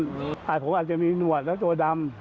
ผมอาจจะมีหนวดแล้วตัวดำ